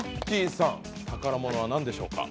さん宝物は何でしょうか？